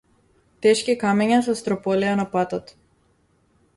Тешки камења се струполија на патот.